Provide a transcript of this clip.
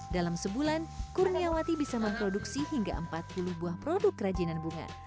dalam sebulan kurniawati bisa memproduksi hingga empat puluh buah produk kerajinan bunga